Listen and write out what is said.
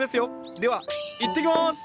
ではいってきます！